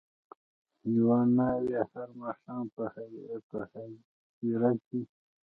یوه ناوي هر ماښام په هدیره کي